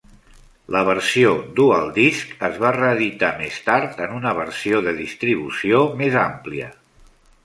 La versió DualDisc es va reeditar més tard en una versió de distribució més àmplia.